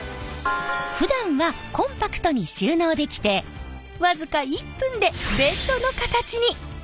ふだんはコンパクトに収納できて僅か１分でベッドの形に。